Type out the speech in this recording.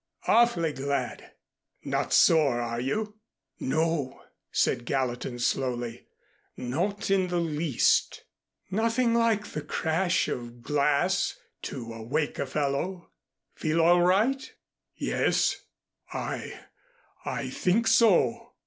Awfully glad. Not sore, are you?" "No," said Gallatin slowly. "Not in the least." "Nothing like the crash of glass to awake a fellow. Feel all right?" "Yes, I I think so."